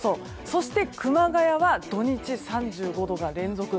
そして熊谷は土日３５度が連続。